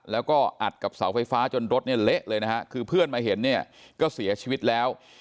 แล้วก็อัดกับเสาไฟฟ้าจนรถเนี่ยเละเลยนะฮะคือเพื่อนมาเห็นเนี่ยก็เสียชีวิตแล้ว